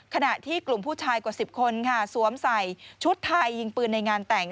ขณะที่กลุ่มผู้ชายกว่า๑๐คนค่ะสวมใส่ชุดไทยยิงปืนในงานแต่ง